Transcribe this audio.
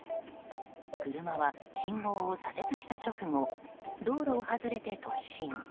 車は信号を左折した直後道路を外れて突進。